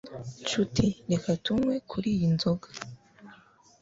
Nshuti reka tunywe kuri iyi nzoga